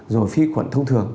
rồi phi khuẩn thông thường